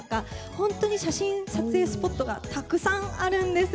本当に写真撮影スポットがたくさんあるんです。